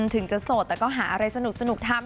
ถึงจะโสดแต่ก็หาอะไรสนุกทำ